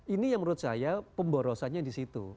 ini yang menurut saya pemborosannya di situ